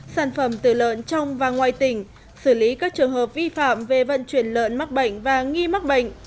sản phẩm từ lợn trong và ngoài tỉnh xử lý các trường hợp vi phạm về vận chuyển lợn mắc bệnh và nghi mắc bệnh